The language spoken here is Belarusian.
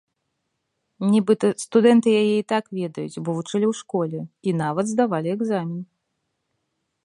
Нібыта, студэнты яе і так ведаюць, бо вучылі ў школе, і нават здавалі экзамен.